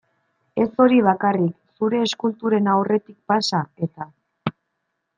Ez hori bakarrik, zure eskulturen aurretik pasa, eta.